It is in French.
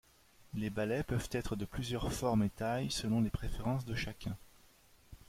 Les balais peuvent être de plusieurs formes et tailles selon les préférences de chacun.